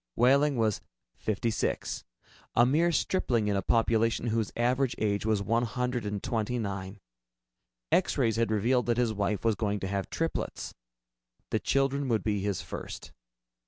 Wehling was fifty six, a mere stripling in a population whose average age was one hundred and twenty nine. X rays had revealed that his wife was going to have triplets. The children would be his first.